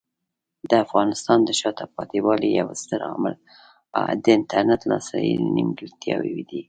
د افغانستان د شاته پاتې والي یو ستر عامل د انټرنیټ لاسرسي نیمګړتیاوې دي.